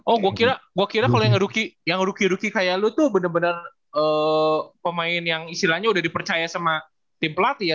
oh gue kira kalau yang ruki ruki kayak lu tuh bener bener pemain yang istilahnya udah dipercaya sama tim pelatih ya